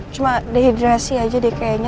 cuma dehidrasi aja deh kayaknya